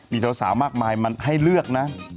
มีสาวมากมายมาให้เลือกนะ